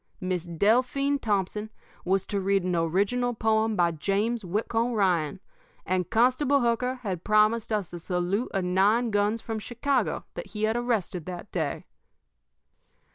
Miss Delphine Thompson was to read an original poem by James Whitcomb Ryan, and Constable Hooker had promised us a salute of nine guns from Chicago that he had arrested that day.